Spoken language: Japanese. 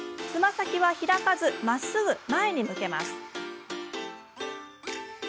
つま先は開かずまっすぐ前に向けます。